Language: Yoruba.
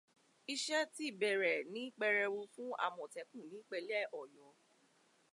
Iṣẹ́ ti bẹ̀rẹ̀ ní pẹrẹu fún Àmọ̀tẹ́kùn ní ìpínlẹ̀ Ọ̀yọ́.